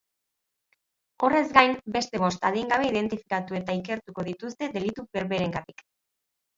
Horrez gain, beste bost adingabe identifikatu eta ikertuko dituzte delitu berberengatik.